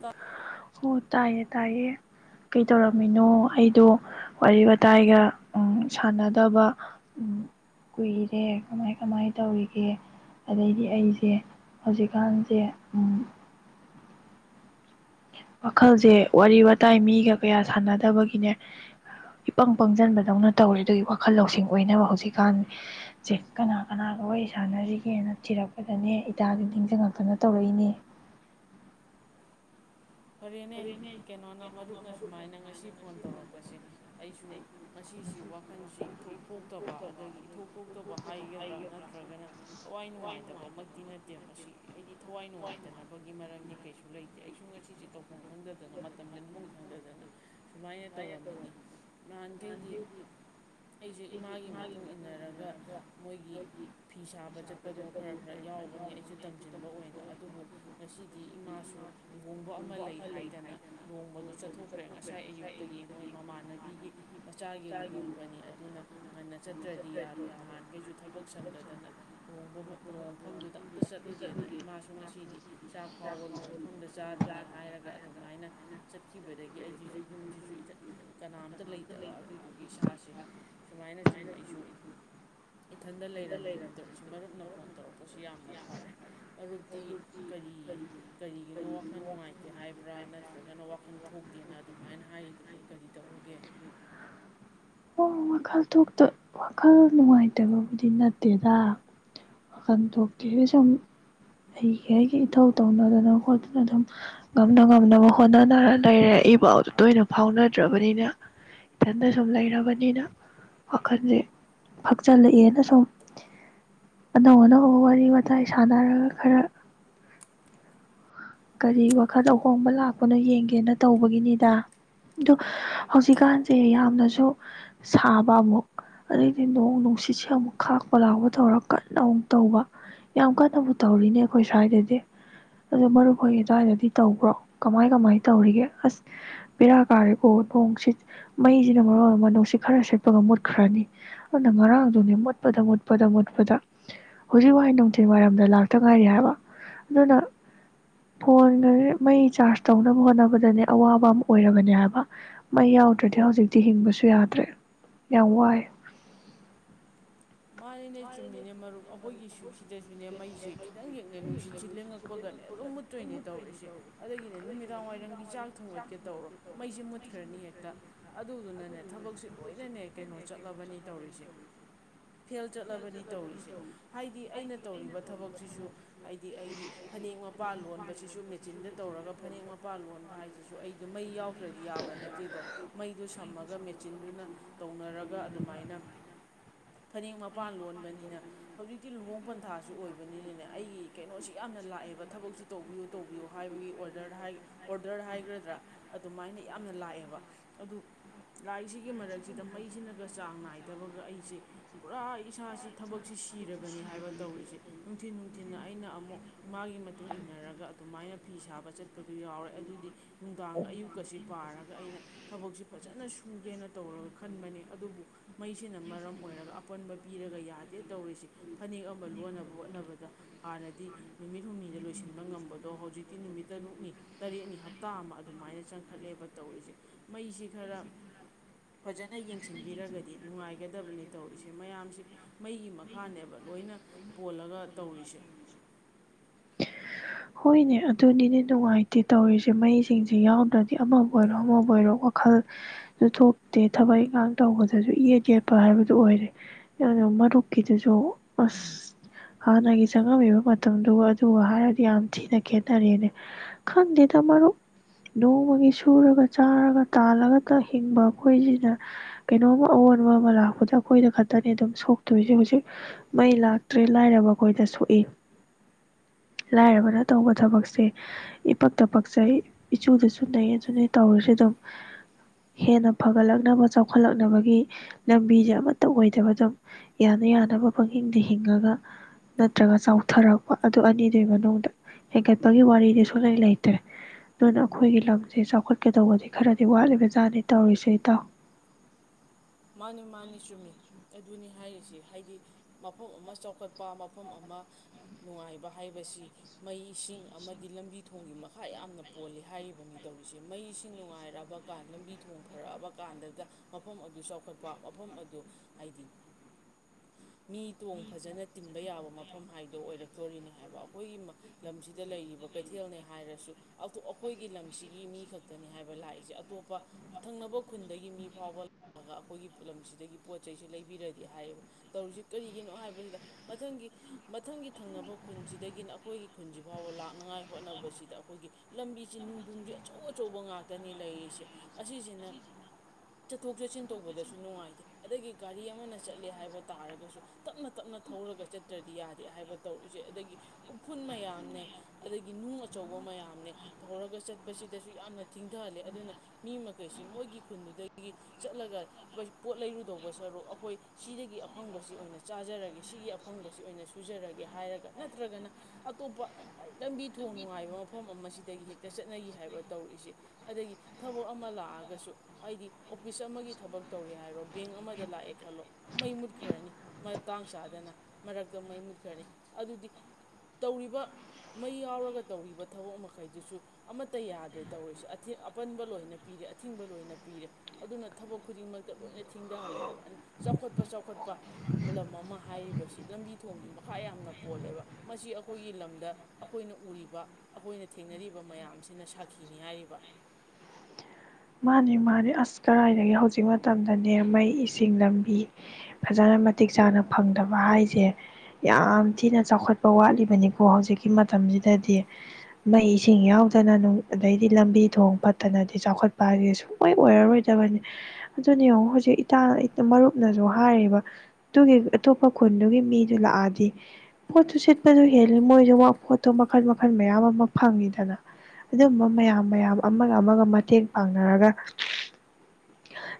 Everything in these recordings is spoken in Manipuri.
ꯋꯥ ꯇꯥꯏꯌꯦ ꯇꯥꯏꯌꯦ ꯀꯩ ꯇꯧꯔꯝꯃꯤꯅꯣ ꯑꯩꯗꯣ ꯋꯥꯔꯤ ꯋꯥꯇꯥꯏꯒ ꯁꯥꯟꯅꯗꯕ ꯀꯨꯏꯔꯦ ꯀꯃꯥꯏ ꯀꯃꯥꯏ ꯇꯧꯔꯤꯒꯦ ꯑꯗꯩꯗꯤ ꯑꯩꯁꯦ ꯍꯧꯖꯤꯛꯀꯥꯟꯁꯦ ꯋꯥꯈꯜꯁꯦ ꯋꯥꯔꯤ ꯋꯥꯇꯥꯏ ꯃꯤꯒ ꯀꯌꯥ ꯁꯥꯟꯅꯗꯕꯒꯤꯅꯦ ꯏꯄꯪ ꯄꯪꯁꯤꯟꯕꯗꯧꯅ ꯇꯧꯔꯦ ꯑꯗꯨꯒꯤ ꯋꯥꯈꯜ ꯂꯧꯁꯤꯡ ꯑꯣꯏꯅꯕ ꯍꯧꯖꯤꯛꯀꯥꯟ ꯁꯦ ꯀꯅꯥ ꯀꯅꯥꯒ ꯋꯥꯔꯤ ꯁꯥꯟꯅꯔꯤꯒꯦꯅ ꯊꯤꯔꯛꯄꯗꯅꯦ ꯏꯇꯥꯁꯨ ꯅꯤꯡꯁꯤꯡꯉꯛꯇꯅ ꯇꯧꯔꯛꯏꯅꯦ ꯐꯔꯦꯅꯦ ꯀꯩꯅꯣꯅ ꯃꯔꯨꯞꯅ ꯁꯨꯃꯥꯏꯅ ꯉꯁꯤ ꯐꯣꯟ ꯇꯧꯔꯛꯄꯁꯦ ꯑꯩꯁꯨ ꯉꯁꯤꯁꯤ ꯋꯥꯈꯜꯁꯤ ꯏꯊꯣꯛ ꯊꯣꯛꯇꯕ ꯑꯗꯒꯤ ꯏꯊꯣꯛ ꯊꯣꯛꯇꯕ ꯍꯥꯏꯒꯗ꯭ꯔꯥ ꯅꯠꯇ꯭ꯔꯒꯅ ꯊꯋꯥꯏ ꯅꯨꯡꯉꯥꯏꯇꯕꯃꯛꯇꯤ ꯅꯠꯇꯦ ꯃꯁꯤ ꯑꯩꯗꯤ ꯊꯋꯥꯏ ꯅꯨꯡꯉꯥꯏꯇꯅꯕꯒꯤ ꯃꯔꯝꯗꯤ ꯀꯩꯁꯨ ꯂꯩꯇꯦ ꯑꯩꯁꯨ ꯉꯁꯤꯁꯤ ꯐꯝ ꯈꯪꯗꯗꯅ ꯃꯇꯝ ꯂꯤꯦꯟꯐꯝ ꯈꯪꯗꯗꯅ ꯁꯨꯃꯥꯏꯅ ꯇꯧꯔꯝꯃꯤꯅꯤ ꯅꯍꯥꯟꯈꯩꯗꯤ ꯑꯩꯁꯦ ꯏꯃꯥꯒꯤ ꯃꯇꯨꯡ ꯏꯟꯅꯔꯒ ꯃꯣꯏꯒꯤ ꯐꯤ ꯁꯥꯕ ꯆꯠꯄꯗꯣ ꯈꯔ ꯈꯔ ꯌꯥꯎꯕꯅꯤ ꯑꯩꯁꯨ ꯇꯝꯁꯤꯟꯕ ꯑꯣꯏꯅ ꯑꯗꯨꯕꯨ ꯉꯁꯤꯗꯤ ꯏꯃꯥꯁꯨ ꯂꯨꯍꯣꯡꯕ ꯃ ꯂꯩꯩ ꯠꯇꯅ ꯂꯨꯍꯣꯡꯕꯗꯨ ꯆꯠꯊꯣꯛꯈ꯭ꯔꯦ ꯉꯁꯥꯏ ꯑꯌꯨꯛꯇꯒꯤ ꯃꯣꯏ ꯃꯃꯥꯟꯅꯕꯤꯒꯤ ꯃꯆꯥꯒꯤ ꯂꯨꯍꯣꯡꯕꯅꯤ ꯑꯗꯨꯅ ꯉꯟꯅ ꯆꯠꯇ꯭ꯔꯗꯤ ꯌꯥꯔꯣꯏ ꯅꯍꯥꯟꯈꯩꯁꯨ ꯊꯕꯛ ꯁꯪꯗꯗꯅ ꯂꯨꯍꯣꯡꯕ ꯂꯨꯍꯣꯡꯐꯝꯗꯨꯗ ꯑꯝꯇ ꯆꯠꯂꯨꯗꯦꯅ ꯏꯃꯥꯁꯨ ꯉꯁꯤꯗꯤ ꯆꯥꯛ ꯐꯥꯎꯕ ꯂꯨꯍꯣꯡꯐꯝꯗ ꯆꯥꯔꯨꯅꯤ ꯑꯗꯨꯃꯥꯏꯅ ꯆꯠꯈꯤꯕꯗꯒꯤ ꯑꯩꯁꯤꯁꯨ ꯌꯨꯝꯁꯤꯁꯨꯊ ꯀꯅꯥꯝꯇ ꯂꯩꯇꯕ ꯑꯗꯨꯏꯗꯨꯒꯤ ꯏꯁꯥꯁꯦ ꯁꯨꯃꯥꯏꯅ ꯁꯨꯝ ꯑꯩꯁꯨ ꯏꯊꯟꯗ ꯂꯩꯔꯝꯃꯤꯅ ꯇꯧꯔꯛꯁꯤꯦ ꯃꯔꯨꯞꯅ ꯐꯣꯟ ꯇꯧꯔꯛꯄꯁꯤ ꯌꯥꯝꯅ ꯐꯔꯦ ꯃꯔꯨꯞꯇꯤ ꯀꯔꯤ ꯀꯔꯤꯒꯤꯅꯣ ꯋꯥꯈꯜ ꯅꯨꯡꯉꯥꯏ ꯇꯤ ꯍꯥꯏꯕ꯭ꯔꯥ ꯅꯠꯇ꯭ꯔꯒꯅ ꯋꯥꯈꯜ ꯊꯣꯛꯇꯦꯅ ꯑꯗꯨꯃꯥꯏꯅ ꯍꯥꯏꯔꯤꯗꯨꯕꯨ ꯀꯔꯤ ꯇꯧꯔꯒꯦ ꯑꯣ ꯋꯥꯈꯜꯇ ꯋꯥꯈꯜ ꯅꯨꯡꯉꯥꯏꯇꯕꯕꯨꯗꯤ ꯅꯠꯇꯦꯗ ꯋꯥꯈꯜ ꯊꯣꯛꯇ꯭ꯒꯤ ꯁꯨꯝ ꯑꯩꯒꯤ ꯑꯩꯒꯤ ꯏꯊꯧ ꯇꯧꯅꯗꯅ ꯈꯣꯠꯇꯅ ꯑꯗꯨꯝ ꯉꯝꯅ ꯉꯝꯅꯕ ꯍꯣꯠꯅꯅꯔ ꯂꯩꯔꯦ ꯏ ꯄꯥꯎꯗ ꯇꯣꯏꯅ ꯐꯥꯎꯅꯗ꯭ꯔꯕꯅꯤꯅ ꯏꯊꯟꯇ ꯁꯨꯝ ꯂꯩꯔꯕꯅꯤꯅ ꯋꯥꯈꯜꯁꯦ ꯐꯛꯆꯜꯂꯛꯑꯦꯅ ꯁꯨꯝ ꯑꯅꯧ ꯑꯅꯧꯕ ꯋꯥꯔꯤ ꯋꯥꯇꯥꯏ ꯁꯥꯟꯅꯔꯒ ꯈꯔ ꯀꯔꯤ ꯋꯥꯈꯜ ꯑꯍꯣꯡꯕ ꯂꯥꯛꯄꯅꯣ ꯌꯦꯡꯒꯦꯅ ꯇꯧꯕꯒꯤꯅꯤꯗ ꯑ ꯍꯧꯖꯤꯛꯀꯥꯟꯁꯦ ꯌꯥꯝꯅꯁꯨ ꯁꯥꯕ ꯑꯃꯨꯛ ꯑꯗꯩꯗꯤ ꯅꯣꯡ ꯅꯨꯡꯁꯤꯠꯁꯦ ꯑꯃꯨꯛ ꯈꯥꯛꯄ ꯂꯥꯛꯄ ꯇꯧꯔꯒ ꯀꯟꯅ ꯑꯃꯨꯛ ꯇꯧꯕ ꯌꯥꯝ ꯀꯟꯅꯕꯨ ꯇꯧꯔꯤꯅꯦ ꯑꯩꯈꯣꯏ ꯁ꯭ꯋꯥꯏꯗꯗꯤ ꯑꯗꯨꯗ ꯃꯔꯨꯞ ꯑꯩꯈꯣꯏ ꯑꯗꯨꯋꯥꯏꯗꯗꯤ ꯇꯧꯕ꯭ꯔꯣ ꯀꯃꯥꯏ ꯀꯃꯥꯏꯅ ꯇꯧꯔꯤꯒꯦ ꯑꯁ ꯕꯦꯔꯥ ꯀꯥꯔꯦꯀꯣ ꯅꯣꯡꯁꯤ ꯃꯩꯁꯤꯅ ꯃꯔꯨ ꯑꯣꯏ ꯑꯃ ꯅꯨꯡꯁꯤꯠ ꯈꯔ ꯁꯦꯠꯄꯒ ꯃꯨꯠꯈ꯭ꯔꯅꯤ ꯑꯗꯨꯅ ꯉꯔꯥꯡꯗꯨꯅꯤ ꯃꯨꯠꯄꯗ ꯃꯨꯠꯄꯗ ꯃꯨꯠꯄꯗ ꯍꯧꯖꯤꯛ ꯋꯥꯏ ꯅꯨꯡꯊꯤꯜ ꯋꯥꯏꯔꯝꯗ ꯂꯥꯛꯇ ꯉꯥꯏꯔꯤ ꯍꯥꯏꯕ ꯑꯗꯨꯅ ꯐꯣꯟꯒꯖꯦ ꯃꯩ ꯆꯥꯔꯖ ꯇꯧꯅꯕ ꯍꯣꯠꯅꯕꯗꯅꯦ ꯑꯋꯥꯕ ꯑꯃ ꯑꯣꯏꯔꯕꯅꯦ ꯍꯥꯏꯕ ꯃꯩ ꯌꯥꯎꯗ꯭ꯔꯗꯤ ꯍꯧꯖꯤꯛꯇꯤ ꯍꯤꯡꯕꯁꯨ ꯌꯥꯗ꯭ꯔꯦ ꯌꯥꯝ ꯋꯥꯏ ꯃꯥꯅꯤꯅꯦ ꯆꯨꯝꯃꯤꯅꯦ ꯃꯔꯨꯞ ꯑꯩꯈꯣꯏꯒꯤꯁꯨꯁꯦ ꯁꯤꯗꯁꯨꯅꯦ ꯃꯩꯁꯦ ꯈꯤꯇꯪ ꯌꯦꯡꯉꯦ ꯅꯨꯡꯁꯤꯠꯁꯤ ꯂꯦꯡꯉꯛꯄꯒꯅꯦ ꯑꯗꯨꯝ ꯃꯨꯠꯇꯣꯏꯅꯦ ꯇꯧꯔꯛꯏꯁꯦ ꯑꯗꯒꯤꯅꯦ ꯅꯨꯃꯤꯠ ꯅꯨꯉꯗꯥꯡꯋꯥꯏꯔꯪꯒꯤ ꯆꯥꯛ ꯊꯣꯡꯒꯠꯀꯦ ꯇꯧꯔꯣ ꯃꯩꯁꯤ ꯃꯨꯠ ꯈ꯭ꯔꯅꯤ ꯍꯦꯛꯇ ꯑꯗꯨꯗꯨꯅꯅꯦ ꯊꯕꯛꯁꯦ ꯂꯣꯏꯅꯅꯦ ꯀꯩꯅꯣ ꯆꯠꯂꯕꯅꯤ ꯇꯧꯔꯤꯁꯦ ꯐꯦꯜ ꯆꯠꯂꯕꯅꯤ ꯇꯧꯔꯤꯁꯦ ꯍꯥꯏꯗꯤ ꯑꯩꯅ ꯇꯧꯔꯤꯕ ꯊꯕꯛꯁꯤꯁꯨ ꯍꯥꯏꯗꯤ ꯑꯩꯒꯤ ꯐꯅꯦꯛ ꯃꯄꯥꯜ ꯂꯣꯟꯕꯁꯤꯁꯨ ꯃꯦꯆꯤꯟꯗ ꯇꯧꯔꯒ ꯐꯅꯦꯛ ꯃꯄꯥꯜ ꯂꯣꯟꯕ ꯍꯥꯏꯁꯤꯁꯨ ꯑꯩꯗꯣ ꯃꯩ ꯌꯥꯎꯗ꯭ꯔꯗꯤ ꯌꯥꯕ ꯅꯠꯇꯦꯗꯣ ꯃꯩꯗꯣ ꯁꯝꯃꯒ ꯃꯦꯆꯤꯟꯗꯨꯅ ꯇꯧꯅꯔꯒ ꯑꯗꯨꯃꯥꯏꯅ ꯐꯅꯦꯛ ꯃꯄꯥꯟ ꯂꯣꯟꯕꯅꯤꯅ ꯍꯧꯖꯤꯛꯇꯤ ꯂꯨꯍꯣꯡ ꯄꯟꯊꯥꯁꯨ ꯑꯣꯏꯕꯅꯤꯅꯅꯦ ꯑꯩꯒꯤ ꯀꯩꯅꯣꯁꯤ ꯌꯥꯝꯅ ꯂꯥꯛꯑꯦꯕ ꯊꯕꯛꯁꯤ ꯇꯧꯕꯤꯌꯨ ꯇꯧꯕꯤꯌꯨ ꯍꯥꯏꯕꯒꯤ ꯑꯣꯔꯗꯔ ꯍꯥꯏꯒ꯭ꯔꯗ꯭ꯔꯥ ꯑꯗꯨꯃꯥꯏꯅ ꯌꯥꯝꯅ ꯂꯥꯛꯑꯦꯕ ꯑꯗꯨ ꯂꯥꯛꯏꯁꯤꯒꯤ ꯃꯔꯛꯁꯤꯗ ꯃꯩꯁꯤꯅꯒ ꯆꯥꯡ ꯅꯥꯏꯗꯕꯒ ꯑꯩꯁꯦ ꯄꯨꯔꯥ ꯏꯁꯥꯁꯤ ꯊꯕꯛꯁꯤ ꯁꯤꯔꯕꯅꯤ ꯍꯥꯏꯕ ꯇꯧꯔꯤꯁꯦ ꯅꯨꯡꯊꯤꯤꯟ ꯅꯨꯡꯊꯤꯟꯅ ꯑꯩꯅ ꯑꯃꯨꯛ ꯏꯃꯥꯒꯤ ꯃꯇꯨꯡ ꯏꯟꯅꯔꯒ ꯑꯗꯨꯃꯥꯏꯅ ꯐꯤ ꯁꯥꯕ ꯆꯠꯄꯗꯨ ꯌꯥꯎꯔꯦ ꯑꯗꯨꯗꯤ ꯅꯨꯡꯗꯥꯡꯒ ꯑꯌꯨꯛꯀꯁꯤ ꯄꯥꯔꯒ ꯑꯩꯅ ꯊꯕꯛꯁꯤ ꯐꯖꯅ ꯁꯨꯒꯦꯅ ꯇꯧꯔꯒ ꯈꯟꯕꯅꯤ ꯑꯗꯨꯕꯨ ꯃꯩꯁꯤꯅ ꯃꯔꯝ ꯑꯣꯏꯔꯒ ꯑꯄꯟꯕ ꯄꯤꯔꯒ ꯌꯥꯗꯦ ꯇꯧꯔꯤꯁꯦ ꯐꯅꯦꯛ ꯑꯃ ꯂꯣꯟꯅꯕ ꯍꯣꯠꯅꯕꯗ ꯍꯥꯟꯅꯗꯤ ꯅꯨꯃꯤꯠ ꯍꯨꯝꯅꯤꯗ ꯂꯣꯏꯁꯤꯟꯕ ꯉꯝꯕꯗꯣ ꯍꯧꯖꯤꯛꯇꯤ ꯅꯨꯃꯤꯠ ꯇꯔꯨꯛꯅꯤ ꯇꯔꯦꯠꯅꯤ ꯍꯞꯇꯥ ꯑꯃ ꯑꯗꯨꯃꯥꯏꯅ ꯆꯪꯈꯠꯂꯦꯕ ꯇꯧꯔꯤꯁꯦ ꯃꯩꯁꯤ ꯈꯔ ꯐꯖꯅ ꯌꯦꯡꯁꯤꯟꯕꯤꯔꯒꯗꯤ ꯅꯨꯡꯉꯥꯏꯒꯗꯕꯅꯦ ꯇꯧꯔꯤꯁꯦ ꯁꯦ ꯃꯌꯥꯝꯁꯦ ꯃꯩꯒꯤ ꯃꯈꯥꯅꯦꯕ ꯂꯣꯏꯅ ꯄꯣꯜꯂꯒ ꯇꯧꯔꯤꯁꯦ ꯍꯣꯏꯅꯦ ꯑꯗꯨꯅꯤꯅꯦ ꯅꯨꯡꯉꯥꯏꯇꯦ ꯇꯧꯔꯤꯁꯦ ꯃꯩꯁꯤꯡꯁꯦ ꯌꯥꯎꯗ꯭ꯔꯗꯤ ꯑꯃꯕꯨ ꯑꯣꯏꯔꯣ ꯑꯃꯕꯨ ꯑꯣꯏꯔꯣ ꯋꯥꯈꯜꯁꯨ ꯊꯣꯛꯇꯦ ꯊꯕꯛ ꯏꯪꯈꯥꯡ ꯇꯧꯕꯗꯁꯨ ꯌꯦꯠ ꯌꯦꯠꯄ ꯍꯥꯏꯕꯗꯨ ꯑꯣꯏꯔꯦ ꯑꯗꯨ ꯃꯔꯨꯞꯀꯤꯗꯨꯁꯨ ꯑꯁ ꯍꯥꯟꯅꯒꯤ ꯆꯪꯉꯝꯃꯤꯕ ꯃꯇꯝꯗꯨꯒ ꯑꯗꯨꯒ ꯍꯥꯏꯔꯗꯤ ꯌꯥꯝ ꯊꯤꯅ ꯈꯦꯅꯔꯦꯅꯦ ꯈꯪꯗꯦꯗ ꯃꯔꯨꯞ ꯅꯣꯡꯃꯒꯤ ꯁꯨꯔꯒ ꯆꯥꯔꯒ ꯇꯥꯜꯂꯒ ꯍꯤꯡꯕ ꯑꯩꯈꯣꯏꯁꯤꯅ ꯀꯩꯅꯣꯝꯃ ꯑꯑꯣꯟꯕ ꯑꯃ ꯂꯥꯛꯄꯗ ꯑꯩꯈꯣꯏꯗ ꯈꯛꯇꯅꯤ ꯑꯗꯨꯝ ꯁꯣꯛꯇꯣꯏꯁꯦ ꯍꯧꯖꯤꯛ ꯃꯩ ꯂꯥꯛꯇ꯭ꯔꯦ ꯂꯥꯏꯔꯕ ꯑꯩꯈꯣꯏꯗ ꯁꯣꯛꯏ ꯂꯥꯏꯔꯕꯅ ꯇꯧꯕ ꯊꯕꯛꯁꯦ ꯏꯄꯛꯇ ꯄꯛꯆꯩ ꯏꯆꯨꯗꯁꯨꯨꯟꯅꯩ ꯑꯗꯨꯅꯤ ꯇꯧꯔꯤꯁ ꯑꯗꯨꯝ ꯍꯦꯟꯅ ꯐꯒꯠꯂꯛꯅꯕ ꯆꯥꯎꯈꯠꯂꯛꯅꯕꯒꯤ ꯂꯝꯕꯤꯁꯦ ꯑꯃꯠꯇ ꯑꯣꯏꯗꯕ ꯑꯗꯨꯝ ꯌꯥꯅ ꯌꯥꯅꯕ ꯄꯪꯍꯤꯡꯗ ꯍꯤꯡꯉꯒ ꯅꯠꯇ꯭ꯔꯒ ꯆꯥꯎꯊꯔꯛꯄ ꯑꯗꯨ ꯑꯅꯤꯗꯨ ꯃꯅꯨꯡꯗ ꯍꯦꯟꯒꯠꯄꯒꯤ ꯋꯥꯔꯤꯗꯤ ꯁꯨꯡꯂꯩ ꯂꯩꯇ꯭ꯔꯦ ꯑꯗꯨꯅ ꯑꯩꯈꯣꯏꯒꯤ ꯂꯝꯁꯦ ꯆꯥꯎꯈꯠꯀꯗꯧꯕꯗꯤ ꯈꯔꯗꯤ ꯋꯥꯠꯂꯤꯕꯖꯥꯠꯅꯤ ꯇꯧꯔꯤꯁꯦ ꯏꯇꯥꯎ ꯃꯥꯅꯤ ꯃꯥꯅꯤ ꯆꯨꯝꯃꯤ ꯑꯗꯨꯅꯤ ꯍꯥꯏꯔꯤꯁꯦ ꯍꯥꯏꯗꯤ ꯃꯐꯝ ꯑꯃ ꯆꯥꯎꯈꯠꯄ ꯃꯐꯝ ꯑꯃ ꯅꯨꯡꯉꯥꯏꯕ ꯍꯥꯏꯕꯁꯤ ꯃꯩ ꯏꯁꯤꯡ ꯑꯃꯗꯤ ꯂꯝꯕꯤ ꯊꯣꯡꯒꯤ ꯃꯈꯥ ꯌꯥꯝꯅ ꯄꯣꯜꯂꯤ ꯍꯥꯏꯔꯤꯕꯅꯤ ꯇꯧꯔꯤꯁꯦ ꯃꯩ ꯏꯁꯤꯡ ꯅꯨꯡꯉꯥꯏꯔꯛꯑꯕ ꯀꯥꯟꯗ ꯂꯝꯕꯤ ꯊꯣꯡ ꯐꯔꯛꯑꯕ ꯀꯥꯟꯗꯨꯗ ꯃꯐꯝ ꯑꯗꯨ ꯆꯥꯎꯈꯠꯄ ꯈꯣꯠꯄ ꯃꯐꯝ ꯑꯗꯨ ꯍꯥꯏꯗꯤ ꯃꯤ ꯇꯣꯡ ꯐꯖꯅ ꯇꯤꯟꯕ ꯌꯥꯕ ꯃꯐꯝ ꯍꯥꯏꯗꯣ ꯑꯣꯏꯔꯛꯇꯣꯔꯤꯅꯤ ꯍꯥꯏꯕ ꯑꯩꯈꯣꯏꯒꯤ ꯂꯝꯁꯤꯗ ꯂꯩꯔꯤꯕ ꯀꯩꯊꯦꯜꯅꯤ ꯍꯥꯏꯔꯁꯨ ꯑꯩꯈꯣꯏꯒꯤ ꯂꯝꯁꯤꯒꯤ ꯃꯤ ꯈꯛꯇꯅꯤ ꯍꯥꯏꯕ ꯂꯥꯛꯏꯁꯦ ꯑꯇꯣꯞꯄ ꯑ ꯊꯪꯅꯕ ꯈꯨꯟꯗꯒꯤ ꯃꯤ ꯐꯥꯎꯕ ꯂꯥꯛꯑꯒ ꯑꯩꯈꯣꯏꯒꯤ ꯂꯝꯁꯤꯗꯒꯤ ꯄꯣꯠ ꯆꯩꯁꯤ ꯂꯩꯕꯤꯔꯗꯤ ꯍꯥꯏꯌꯦꯕ ꯇꯧꯔꯤꯁꯤ ꯀꯔꯤꯒꯤꯅꯣ ꯍꯥꯏꯕꯁꯤꯗ ꯃꯊꯪꯒꯤ ꯃꯊꯪꯒꯤ ꯊꯪꯅꯕ ꯈꯨꯟꯁꯤꯗꯒꯤꯅ ꯑꯩꯈꯣꯏꯒꯤ ꯈꯨꯟꯁꯤ ꯐꯥꯎꯕ ꯂꯥꯛꯅꯉꯥꯏ ꯍꯣꯠꯅꯕꯁꯤꯗ ꯑꯩꯈꯣꯏꯒꯤ ꯂꯝꯕꯤꯁꯤ ꯅꯨꯡꯊꯅꯨꯡꯁ ꯑꯆꯧ ꯑꯆꯧꯕ ꯉꯥꯛꯇꯅꯤ ꯂꯩꯔꯤꯁꯦ ꯑꯁꯤꯁꯤꯅ ꯆꯠꯊꯣꯛ ꯆꯠꯁꯤꯟ ꯇꯧꯕꯗꯁꯨ ꯅꯨꯡꯉꯥꯏꯇꯦ ꯑꯗꯒꯤ ꯒꯥꯔꯤ ꯑꯃꯅ ꯆꯠꯂꯦ ꯍꯥꯏꯕ ꯇꯥꯔꯒꯁꯨ ꯇꯞꯅ ꯇꯞꯅ ꯊꯧꯔꯒ ꯆꯠꯇ꯭ꯔꯗꯤ ꯌꯥꯗꯦ ꯍꯥꯏꯕ ꯇꯧꯔꯤꯁꯦ ꯑꯗꯒꯤ ꯎꯐꯨꯟ ꯃꯌꯥꯝꯅꯦ ꯑꯗꯒꯤ ꯅꯨꯡ ꯑꯆꯧꯕ ꯃꯌꯥꯝꯅꯦ ꯊꯧꯔꯒ ꯆꯠꯄꯁꯤꯗꯁꯨ ꯌꯥꯝꯅ ꯊꯤꯡꯊꯍꯜꯂꯦ ꯑꯗꯨꯅ ꯃꯤ ꯃꯈꯩꯁꯤ ꯃꯣꯏꯒꯤ ꯈꯨꯟꯗꯨꯗꯒꯤ ꯆꯠꯂꯒ ꯄꯣꯠ ꯂꯩꯔꯨꯗꯧꯕ ꯁꯔꯨꯛ ꯑꯩꯈꯣꯏ ꯁꯤꯗꯒꯤ ꯑꯐꯪꯕꯁꯤ ꯑꯣꯏꯅ ꯆꯥꯖꯔꯒꯦ ꯁꯤꯒꯤ ꯑꯐꯪꯕꯁꯤ ꯑꯣꯏꯅ ꯁꯨꯖꯔꯒꯦ ꯍꯥꯏꯔꯒ ꯅꯠꯇ꯭ꯔꯒꯅ ꯑꯇꯣꯞꯄ ꯂꯝꯕꯤ ꯊꯣꯡ ꯅꯨꯡꯉꯥꯏꯕ ꯃꯐꯝ ꯑꯃꯁꯤꯗꯒꯤ ꯍꯦꯛꯇ ꯆꯠꯅꯈꯤ ꯍꯥꯏꯕ ꯇꯧꯔꯛꯏꯁꯦ ꯑꯗꯒꯤ ꯊꯕꯛ ꯑꯃ ꯂꯥꯛꯑꯒꯁꯨ ꯍꯥꯏꯗꯤ ꯑꯣꯐꯤꯁ ꯑꯃꯒꯤ ꯊꯕꯛ ꯇꯧꯔꯦ ꯍꯥꯏꯔꯣ ꯕꯦꯡ ꯑꯃꯗ ꯂꯥꯛꯑꯦ ꯈꯜꯂꯣ ꯃꯩ ꯃꯨꯠꯈ꯭ꯔꯅꯤ ꯃꯔ ꯃꯇꯥꯡ ꯆꯥꯗꯅ ꯃꯔꯛꯇ ꯃꯩ ꯃꯨꯠꯈ꯭ꯔꯅꯤ ꯑꯗꯨꯗꯤ ꯇꯧꯔꯤꯕ ꯃꯩ ꯌꯥꯎꯔꯒ ꯇꯧꯔꯤꯕ ꯊꯕꯛ ꯃꯈꯩꯗꯨꯁꯨ ꯑꯃꯠꯇ ꯌꯥꯗ꯭ꯔꯦ ꯇꯧꯔꯤꯁꯦ ꯑꯄꯟꯕ ꯂꯣꯏꯅ ꯄꯤꯔꯦ ꯑꯊꯤꯡꯕ ꯂꯣꯏꯅ ꯄꯤꯔꯦ ꯑꯗꯨꯅ ꯊꯕꯛ ꯈꯨꯗꯤꯡꯃꯛꯇ ꯂꯣꯏꯅ ꯊꯦꯡꯊꯍꯜꯂꯦ ꯍꯥꯏꯕ ꯑꯗꯨꯅ ꯆꯥꯎꯈꯠꯄ ꯆꯥꯎꯈꯠꯄ ꯂꯝ ꯑꯃ ꯍꯥꯏꯔꯤꯕꯁꯤ ꯂꯝꯕꯤ ꯊꯣꯡꯒꯤ ꯃꯈꯥ ꯌꯥꯝꯅ ꯄꯣꯜꯂꯦꯕ ꯃꯁꯤ ꯑꯩꯈꯣꯏꯒꯤ ꯂꯝꯗ ꯑꯩꯈꯣꯏꯅ ꯎꯔꯤꯕ ꯑꯩꯈꯣꯏꯅ ꯊꯦꯡꯅꯔꯤꯕ ꯃꯌꯥꯝꯁꯤꯅ ꯁꯥꯈꯤꯅꯤ ꯍꯥꯏꯔꯤꯕ ꯃꯥꯅꯦ ꯃꯥꯅꯤ ꯑꯁ ꯀꯗꯥꯥꯏꯗꯒꯤ ꯍꯧꯖꯤꯛ ꯃꯇꯝꯗꯅꯦ ꯃꯩ ꯏꯁꯤꯡ ꯂꯝꯕꯤ ꯐꯖꯅ ꯃꯇꯤꯛ ꯆꯥꯅ ꯐꯪꯗꯕ ꯍꯥꯏꯁꯦ ꯌꯥꯝ ꯊꯤꯅ ꯆꯥꯎꯈꯠꯄ ꯋꯥꯠꯂꯤꯕꯅꯤꯀꯣ ꯍꯧꯖꯤꯛꯀꯤ ꯃꯇꯝꯁꯤꯗꯗꯤ ꯃꯩ ꯏꯁꯤꯡ ꯌꯥꯎꯗꯅꯅꯨꯡ ꯑꯗꯩꯗꯤ ꯂꯝꯕꯤ ꯊꯣꯡ ꯐꯠꯇꯅꯗꯤ ꯆꯥꯎꯈꯠ ꯏꯄꯥꯁꯦ ꯁꯨꯡꯑꯣꯏ ꯑꯣꯏꯔꯔꯣꯏꯗꯕꯅꯤ ꯑꯗꯨꯅꯤ ꯌꯦꯡꯉꯣ ꯍꯧꯖꯤꯛ ꯏ ꯃꯔꯨꯞꯅꯁꯨ ꯍꯥꯏꯔꯤꯕ ꯑꯗꯨꯒꯤ ꯑꯇꯣꯞꯄ ꯈꯨꯟꯗꯨꯒꯤ ꯃꯤꯗꯨ ꯂꯥꯛꯑꯗꯤ ꯄꯣꯠꯇꯨ ꯁꯤꯠꯄꯗ ꯍꯦꯜꯂꯤ ꯃꯣꯏꯁꯨ ꯄꯣꯠꯇꯣ ꯃꯈꯜ ꯃꯈꯜ ꯃꯌꯥꯝ ꯑꯃ ꯐꯪꯉꯤꯗꯅ ꯑꯗꯨꯝꯕ ꯃꯌꯥꯝ ꯃꯌꯥꯝ ꯑꯃꯒ ꯑꯃꯒ ꯃꯇꯦꯡ ꯄꯥꯡꯅꯔꯒ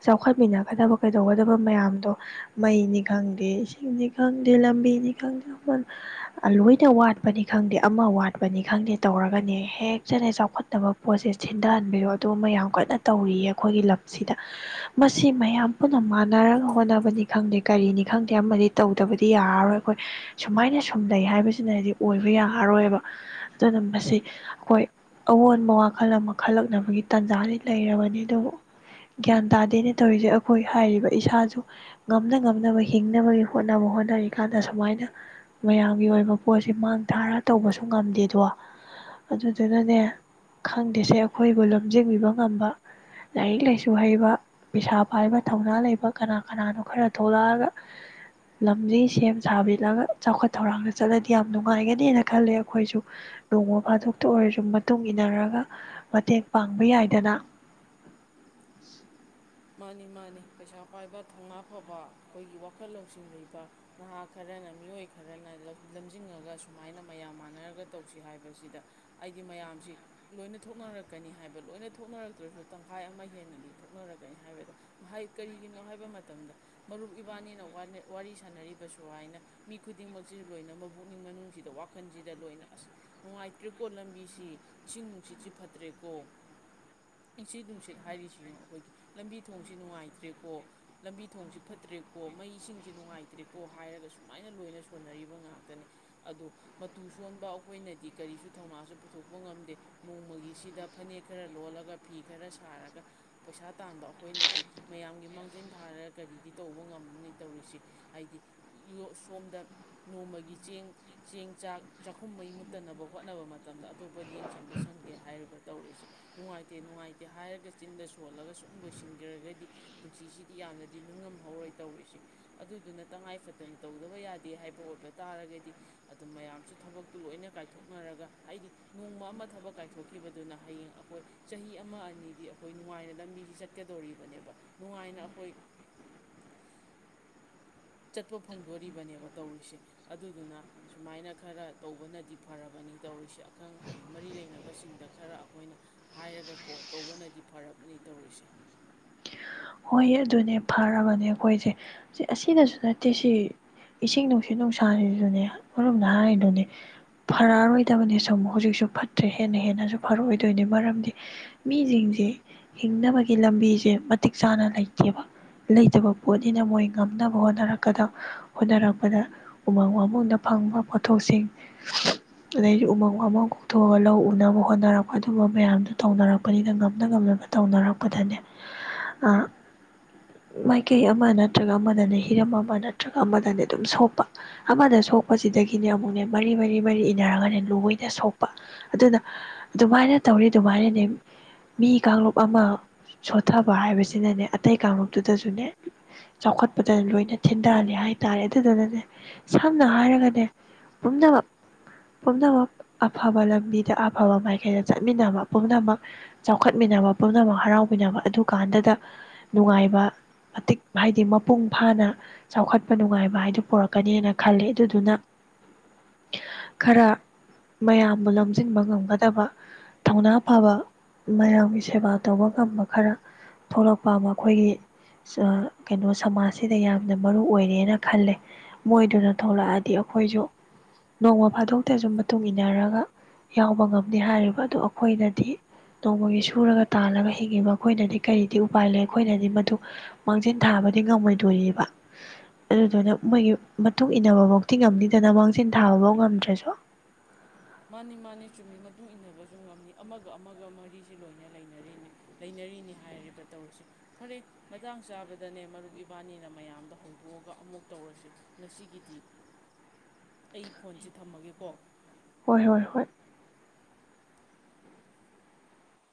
ꯆꯥꯎꯈꯠꯃꯤꯟꯅꯒꯗꯕ ꯀꯩꯗꯧꯒꯗꯕ ꯃꯌꯥꯝꯗꯣ ꯃꯩꯅꯤ ꯈꯪꯗꯦ ꯏꯁꯤꯡꯅꯤ ꯈꯪꯗꯦ ꯂꯝꯕꯤꯅꯤ ꯈꯪꯗꯦ ꯂꯣꯏꯅ ꯋꯥꯠꯄꯅꯤ ꯈꯪꯗꯦ ꯑꯃ ꯋꯥꯠꯄꯅꯤ ꯈꯪꯗꯦ ꯇꯧꯔꯒꯅꯦ ꯍꯦꯛꯆꯅ ꯆꯥꯎꯈꯠꯇꯅꯕ ꯄꯣꯠꯁꯦ ꯊꯤꯟꯊꯍꯟꯕꯤꯌꯣ ꯑꯗꯨ ꯃꯌꯥꯝ ꯀꯣꯏꯅ ꯇꯧꯔꯤꯌꯦ ꯑꯩꯈꯣꯏꯒꯤ ꯂꯝꯁꯤꯗ ꯃꯁꯤ ꯃꯌꯥꯝ ꯄꯨꯟꯅ ꯃꯥꯟꯅꯔꯒ ꯍꯣꯠꯅꯕꯅꯤ ꯈꯪꯗꯦ ꯀꯔꯤꯅꯤ ꯈꯪꯗꯦ ꯑꯃꯗꯤ ꯇꯧꯗꯕꯗꯤ ꯌꯥꯔꯔꯣꯏ ꯑꯩꯈꯣꯏ ꯁꯨꯃꯥꯏꯅ ꯁꯨꯝ ꯂꯩꯩ ꯍꯥꯏꯕꯁꯤꯅꯗꯤ ꯑꯣꯏꯕ ꯌꯥꯔꯔꯣꯏꯕ ꯑꯗꯨꯅ ꯃꯁꯤ ꯑꯩꯈꯣꯏ ꯑꯑꯣꯟꯕ ꯋꯥꯈꯜ ꯑꯃ ꯈꯜꯂꯛꯅꯕꯒꯤ ꯇꯥꯟꯖꯥꯁꯤ ꯂꯩꯔꯕꯅꯤ ꯑꯗꯨꯕꯨ ꯒ꯭ꯌꯥꯟ ꯇꯥꯗꯦꯅ ꯇꯧꯔꯤꯁꯦ ꯑꯩꯈꯣꯏ ꯍꯥꯏꯔꯤꯕ ꯏꯁꯥꯁꯨ ꯉꯝꯅ ꯉꯝꯅꯕ ꯍꯤꯡꯅꯕꯒꯤ ꯍꯣꯠꯅꯕ ꯍꯣꯠꯅꯔꯤꯀꯥꯟꯗ ꯑꯁꯨꯃꯥꯏꯅ ꯃꯌꯥꯝꯒꯤ ꯑꯣꯏꯕ ꯄꯣꯠꯁꯤꯦ ꯃꯥꯡ ꯊꯥꯔ ꯇꯧꯕꯁꯨ ꯉꯝꯗꯦꯗꯣ ꯑꯗꯨꯗꯨꯅꯅꯦ ꯈꯪꯗꯦꯁꯦ ꯑꯩꯈꯣꯏꯕꯨ ꯂꯝꯖꯤꯡꯕꯤꯕ ꯉꯝꯕ ꯂꯥꯏꯔꯤꯛ ꯂꯥꯏꯁꯨ ꯍꯩꯕ ꯄꯩꯁꯥ ꯄꯥꯏꯕ ꯊꯧꯅꯥ ꯂꯩꯕ ꯀꯅꯥ ꯀꯅꯥꯅꯣ ꯈꯔ ꯊꯣꯛꯂꯛꯑꯒ ꯂꯝꯁꯤ ꯁꯦꯝ ꯁꯥꯕꯤꯜꯂꯒ ꯆꯥꯎꯈꯠ ꯊꯧꯔꯥꯡꯗ ꯆꯠꯂꯗꯤ ꯌꯥꯝ ꯅꯨꯡꯉꯥꯏꯒꯅꯦꯅ ꯈꯜꯂꯦ ꯑꯩꯈꯣꯏꯁꯨ ꯅꯣꯡꯃ ꯐꯥꯗꯣꯛꯇ ꯑꯣꯏꯔꯁꯨ ꯃꯇꯨꯡ ꯏꯟꯅꯔꯒ ꯃꯇꯦꯡ ꯄꯥꯡꯕ ꯌꯥꯏ ꯗꯥꯅ ꯃꯥꯅꯤ ꯃꯥꯅꯤ ꯄꯩꯁꯥ ꯄꯥꯏꯕ ꯊꯧꯅꯥ ꯐꯕ ꯑꯩꯈꯣꯏꯒꯤ ꯋꯥꯈꯜ ꯂꯧꯁꯤꯡ ꯂꯩꯕ ꯅꯍꯥ ꯈꯔꯅ ꯃꯤꯑꯣꯏ ꯈꯔꯅ ꯂꯝꯖꯤꯡꯉꯒ ꯁꯨꯃꯥꯏꯅ ꯃꯌꯥꯝ ꯃꯥꯟꯅꯔꯒ ꯇꯧꯁꯤ ꯍꯥꯏꯕꯁꯤꯗ ꯑꯩꯗꯤ ꯃꯌꯥꯝꯁꯤ ꯂꯣꯏꯅ ꯊꯣꯛꯅꯔꯛꯀꯅꯤ ꯍꯥꯏꯕ ꯂꯣꯏꯅ ꯊꯣꯛꯅꯔꯛꯇ꯭ꯔꯁꯨ ꯇꯪꯈꯥꯏ ꯑꯃ ꯍꯦꯟꯅꯗꯤ ꯊꯣꯛꯅꯔꯛꯅꯤ ꯀ ꯍꯥꯏꯕꯗ ꯀꯔꯤꯒꯤꯅꯣ ꯍꯥꯏꯕ ꯃꯇꯝꯗ ꯃꯔꯨꯞ ꯏꯕꯥꯅꯤꯅ ꯋꯥꯔꯤ ꯁꯥꯟꯅꯔꯤꯕ ꯁꯨꯃꯥꯏꯅ ꯃꯤ ꯈꯨꯗꯤꯡꯃꯛꯁꯤꯁꯨ ꯂꯣꯏꯅ ꯃꯕꯨꯛꯅꯤꯡ ꯃꯅꯨꯡꯁꯤꯗ ꯋꯥꯈꯜꯁꯤꯗ ꯂꯣꯏꯅ ꯑꯁ ꯅꯨꯡꯉꯥꯏꯇ꯭ꯔꯦꯀꯣ ꯂꯝꯕꯤꯁꯤ ꯏꯁꯤꯡ ꯅꯨꯡꯁꯤꯠꯁꯤ ꯐꯠꯇ꯭ꯔꯦꯀꯣ ꯏꯆꯤꯡ ꯅꯨꯡꯁꯤꯠ ꯍꯥꯏꯔꯤꯁꯤꯅ ꯑꯩꯈꯣꯏꯒꯤ ꯂꯝꯕꯤ ꯊꯣꯡꯁꯤ ꯅꯨꯡꯉꯥꯏꯇ꯭ꯔꯦꯀꯣ ꯂꯝꯕꯤ ꯊꯣꯡꯁꯤ ꯐꯠꯇ꯭ꯔꯦꯀꯣ ꯃꯩꯁꯤꯡꯁꯤ ꯅꯨꯡꯉꯥꯏꯇ꯭ꯔꯦꯀꯣ ꯍꯥꯏꯔꯒ ꯁꯨꯃꯥꯏꯅ ꯂꯣꯏꯅ ꯁꯣꯟꯅꯔꯤꯕ ꯉꯥꯛꯇꯅꯤ ꯑꯗꯣ ꯃꯇꯨ ꯁꯣꯟꯕ ꯑꯩꯈꯣꯏꯅꯗꯤ ꯀꯔꯤꯁꯨ ꯊꯧꯅꯥꯁꯨ ꯄꯨꯊꯣꯛꯄ ꯉꯝꯗꯦ ꯅꯣꯡꯃꯒꯤꯁꯤꯗ ꯐꯅꯦꯛ ꯈꯔ ꯂꯣꯜꯂꯒ ꯐꯤ ꯈꯔ ꯁꯥꯔꯒ ꯄꯩꯁꯥ ꯇꯥꯟꯕ ꯑꯩꯈꯣꯏꯅꯗꯤ ꯃꯌꯥꯝꯒꯤ ꯃꯥꯡꯖꯤꯟ ꯊꯥꯔꯒ ꯀꯔꯤꯒꯤ ꯇꯧꯕ ꯉꯝꯅꯤ ꯇꯧꯔꯤꯁꯦ ꯍꯥꯏꯗꯤ ꯁꯣꯝꯗ ꯅꯣꯡꯃꯒꯤ ꯆꯦꯡ ꯆꯦꯡ ꯆꯥꯛ ꯆꯥꯛꯈꯨꯝ ꯃꯩ ꯃꯨꯠꯇꯅꯕ ꯍꯣꯠꯅꯕ ꯃꯇꯝꯗ ꯑꯇꯣꯞꯄꯗ ꯌꯦꯡꯁꯤꯟꯕ ꯁꯪꯗꯦ ꯍꯥꯏꯔꯒ ꯇꯧꯔꯤꯛꯁꯦ ꯅꯨꯡꯉꯥꯏꯇꯦ ꯅꯨꯡꯉꯥꯏꯇꯦ ꯍꯥꯏꯔꯒ ꯆꯤꯟꯗ ꯁꯣꯜꯂꯒꯁꯨ ꯂꯣꯏꯁꯤꯟꯈ꯭ꯔꯒꯗꯤ ꯄꯨꯟꯁꯤꯁꯤꯗꯤ ꯌꯥꯝꯅꯗꯤ ꯅꯤꯡꯅꯨꯡꯉꯝꯍꯧꯔꯣꯏ ꯇꯧꯔꯤꯁꯦ ꯑꯗꯨꯗꯨꯅ ꯇꯉꯥꯏ ꯐꯗꯅ ꯇꯧꯗꯕ ꯌꯥꯗꯦ ꯍꯥꯏꯕ ꯑꯣꯏꯕ ꯇꯥꯔꯒꯗꯤ ꯑꯗꯨꯝ ꯃꯌꯥꯝꯁꯨ ꯊꯕꯛꯇꯨ ꯂꯣꯏꯅ ꯀꯥꯏꯊꯣꯛꯅꯔꯒ ꯍꯥꯏꯗꯤ ꯅꯣꯡꯃ ꯑꯃ ꯊꯕꯛ ꯀꯥꯏꯊꯣꯛꯈꯤꯕꯗꯨꯅ ꯍꯌꯦꯡ ꯑꯩꯈꯣꯏ ꯆꯍꯤ ꯑꯃ ꯑꯅꯤꯗꯤ ꯑꯩꯈꯣꯏ ꯅꯨꯡꯉꯥꯏꯅ ꯂꯝꯕꯤꯁꯤ ꯆꯠꯀꯗꯧꯔꯤꯕꯅꯦꯕ ꯅꯨꯡꯉꯥꯏꯅ ꯑꯩꯈꯣꯏ ꯆꯠꯄ ꯐꯪꯗꯣꯔꯤꯕꯅꯦꯕ ꯇꯧꯔꯤꯁꯦ ꯑꯗꯨꯗꯨꯅ ꯁꯨꯃꯥꯏꯅ ꯈꯔ ꯇꯧꯕꯅꯗꯤ ꯐꯔꯕꯅꯤ ꯇꯧꯔꯤꯁꯦ ꯑꯈꯪ ꯑꯍꯩ ꯃꯔꯤ ꯂꯩꯅꯕꯁꯤꯡꯗ ꯈꯔ ꯑꯩꯈꯣꯏꯅ ꯍꯥꯏꯔꯒꯀꯣ ꯇꯧꯕꯅꯗꯤ ꯐꯔꯕꯅꯤ ꯇꯧꯔꯤꯁꯦ ꯍꯣꯏ ꯑꯗꯨꯅꯦ ꯐꯔꯕꯅꯦ ꯑꯩꯈꯣꯏꯁꯦ ꯁꯤ ꯑꯁꯤꯅꯁꯨ ꯅꯠꯇꯦ ꯁꯤ ꯏꯁꯤꯡ ꯅꯨꯡꯁꯤꯠ ꯅꯨꯡꯁꯥꯁꯤꯁꯨꯅꯦ ꯃꯔꯝꯅ ꯍꯥꯏꯔꯤꯗꯨꯅꯦ ꯐꯔꯛꯑꯔꯣꯏꯗꯕꯅꯦ ꯁꯨꯝ ꯍꯧꯖꯤꯛꯁꯨ ꯐꯠꯇ꯭ꯔꯦ ꯍꯦꯟꯅ ꯍꯦꯟꯅꯁꯨ ꯐꯔꯛꯑꯣꯏꯗꯣꯏꯅꯦ ꯃꯔꯝꯗꯤ ꯃꯤꯁꯤꯡꯖꯤ ꯍꯤꯡꯅꯕꯒꯤ ꯂꯝꯕꯤꯁꯦ ꯃꯇꯤꯛ ꯆꯥꯅ ꯂꯩꯇꯦꯕ ꯂꯩꯇꯕ ꯄꯣꯠꯅꯤꯅ ꯃꯣꯏ ꯉꯝꯅꯕ ꯍꯣꯠꯅꯔꯛꯀꯗ ꯍꯣꯠꯅꯔꯛꯄꯗ ꯎꯃꯪ ꯋꯥꯃꯪꯗ ꯐꯪꯕ ꯄꯣꯠꯊꯣꯛꯁꯤꯡ ꯑꯗꯩꯗꯤ ꯎꯃꯪ ꯋꯥꯃꯪ ꯀꯣꯛꯊꯣꯛꯑꯒ ꯂꯧ ꯎꯅꯕ ꯍꯣꯠꯅꯔꯛꯄ ꯑꯗꯨꯨꯝꯝꯕ ꯃꯌꯥꯝꯗꯨꯣ ꯇꯧꯅꯔꯛꯄꯅꯤꯅ ꯉꯝꯅ ꯉꯝꯂꯒ ꯇꯧꯅꯔꯛꯄꯗꯅꯦ ꯑ ꯃꯥꯏꯀꯩ ꯑꯃ ꯅꯠꯇ꯭ꯔꯒ ꯑꯃꯗꯅꯦ ꯍꯤꯔꯝ ꯑꯃ ꯅꯠꯇ꯭ꯔꯒ ꯑꯃꯗꯅꯦ ꯑꯗꯨꯝ ꯁꯣꯛꯄ ꯑꯃꯗ ꯁꯣꯛꯄꯁꯤꯗꯒꯤꯅꯦ ꯑꯃꯨꯛꯅꯦ ꯃꯔꯤ ꯃꯔꯤ ꯃꯔꯤ ꯏꯅꯔꯒꯅꯦ ꯂꯣꯏꯅ ꯁꯣꯛꯄ ꯑꯗꯨꯅ ꯑꯗꯨꯃꯥꯏꯅ ꯇꯧꯔꯤ ꯑꯗꯨꯃꯥꯏꯅꯅꯦ ꯃꯤ ꯀꯥꯡꯂꯨꯞ ꯑꯃ ꯁꯣꯊꯕ ꯍꯥꯏꯕꯁꯦ ꯁꯤꯅꯅꯦ ꯑꯇꯩ ꯀꯥꯡꯂꯨꯞꯇꯨꯗꯁꯨꯅꯦ ꯆꯥꯎꯈꯠꯄꯗ ꯂꯣꯏꯅ ꯊꯤꯟꯊꯍꯜꯂ ꯍꯥꯏꯇꯥꯔꯦ ꯑꯗꯨꯗꯨꯅꯅꯦ ꯁꯝꯅ ꯍꯥꯏꯔꯒꯅꯦ ꯄꯨꯝꯅꯃꯛ ꯄꯨꯝꯅꯃꯛ ꯑꯐꯕ ꯂꯝꯕꯤꯗ ꯑꯐꯕ ꯃꯥꯏꯀꯩꯗ ꯆꯠꯃꯤꯟꯅꯕ ꯄꯨꯝꯅꯃꯛ ꯆꯥꯎꯈꯠꯃꯤꯟꯅꯕ ꯄꯨꯝꯅꯃꯛ ꯍꯔꯥꯎꯃꯤꯟꯅꯕ ꯑꯗꯨ ꯀꯥꯟꯗꯨꯗ ꯅꯨꯡꯉꯥꯏꯕ ꯃꯇꯤꯛ ꯍꯥꯏꯗꯤ ꯃꯄꯨꯡ ꯐꯥꯅ ꯆꯥꯎꯈꯠꯄ ꯅꯨꯡꯉꯥꯏꯕ ꯍꯥꯏꯗꯤ ꯄꯨꯔꯛꯀꯅꯤꯅ ꯈꯜꯂꯤ ꯑꯗꯨꯗꯨꯅ ꯈꯔ ꯃꯌꯥꯝꯕꯨ ꯂꯝꯖꯤꯡꯕꯥ ꯉꯝꯒꯗꯕ ꯊꯧꯅꯥ ꯐꯕ ꯃꯌꯥꯝꯒꯤ ꯁꯦꯕꯥ ꯇꯧꯕ ꯉꯝꯕ ꯈꯔ ꯊꯣꯛꯂꯛꯄ ꯑꯃ ꯑꯩꯈꯣꯏꯒꯤ ꯀꯩꯅꯣ ꯁꯃꯥꯖꯁꯤꯗ ꯌꯥꯝꯅ ꯃꯔꯨ ꯑꯣꯏꯔꯦꯅ ꯈꯜꯂꯦ ꯃꯣꯏꯗꯨꯅ ꯊꯣꯛꯂꯛꯑꯗꯤ ꯑꯩꯈꯣꯏꯁꯨ ꯅꯣꯡꯃ ꯐꯥꯗꯣꯛꯇꯁꯨ ꯃꯇꯨꯡ ꯏꯟꯅꯔꯒ ꯌꯥꯎꯕ ꯉꯝꯗꯍꯥꯏꯔꯤꯕ ꯑꯗꯣ ꯑꯩꯈꯣꯏꯅꯗꯤ ꯅꯣꯡꯃꯒꯤ ꯁꯨꯔꯒ ꯇꯥꯜꯂꯒ ꯍꯤꯡꯉꯤꯕ ꯑꯩꯈꯣꯏꯅꯗꯤ ꯀꯔꯤꯗꯤ ꯎꯄꯥꯏ ꯂꯩ ꯑꯩꯈꯣꯏꯅꯗꯤ ꯃꯗꯨ ꯃꯥꯡꯖꯤꯟ ꯊꯥꯕꯗꯤ ꯉꯝꯃꯣꯏꯗꯣꯔꯤꯕꯥ ꯑꯗꯨꯗꯨꯅ ꯃꯣꯏꯒꯤ ꯃꯇꯨꯡ ꯏꯟꯅꯕꯐꯧꯇꯤ ꯉꯝꯅꯤꯗꯅ ꯃꯥꯡꯖꯤꯟ ꯊꯥꯕꯐꯧ ꯉꯝꯗ꯭ꯔꯁꯨ ꯃꯥꯅꯤ ꯃꯥꯅꯤ ꯆꯨꯝꯃꯤ ꯃꯇꯨꯡ ꯏꯟꯅꯕꯁꯨ ꯉꯝꯃꯤ ꯑꯃꯒ ꯑꯃꯒ ꯃꯔꯤꯁꯤ ꯂꯣꯏꯅ ꯂꯩꯅꯔꯤꯅꯤ ꯂꯩꯅꯔꯤꯅꯤ ꯍꯥꯏꯔꯤꯕ ꯇꯧꯔꯁꯤ ꯐꯔꯦ ꯃꯇꯥꯡ ꯆꯥꯕꯗꯅꯦ ꯃꯔꯨꯞ ꯏꯕꯥꯅꯤꯅ ꯃꯌꯥꯝꯗ ꯍꯧꯗꯣꯛꯑꯒ ꯑꯃꯨꯛ ꯇꯧꯔꯁꯤ ꯉꯁꯤꯒꯤꯗꯤ ꯑꯩ ꯐꯣꯟꯁꯦ ꯊꯝꯃꯒꯦꯀꯣ ꯍꯣꯏ ꯍꯣꯏ ꯍꯣꯏ